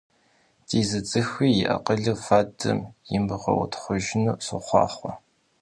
Ди зы цӀыхуи и акъылыр фадэм имыгъэутхъужыну сохъуахъуэ!